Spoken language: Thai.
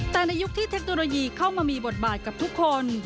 แต่ในยุคที่เทคโนโลยีเข้ามามีบทบาทกับทุกคน